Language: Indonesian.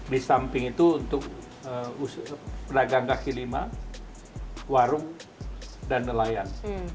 di samping itu untuk pedagang kaki lima warung dan nelayan